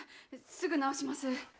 すぐ直します。